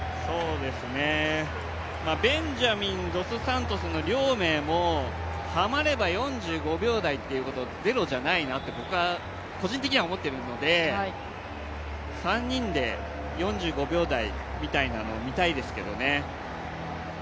ベンジャミン、ドスサントスの両名もハマれば４５秒台ということもゼロではないと僕は個人的には思っているので、３人で４５秒台みたいなのを見たいですけどね。